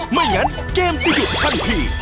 ไม่งั้นเกมจะหยุดทันที